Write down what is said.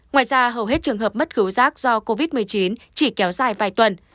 ngoài ra hầu hết trường hợp mất cứu giác do covid một mươi chín chỉ kéo dài vài tuần